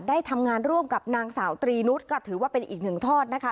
ได้ทำงานร่วมกับนางสาวตรีนุษย์ก็ถือว่าเป็นอีกหนึ่งทอดนะคะ